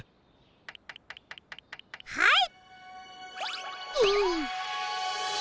はい！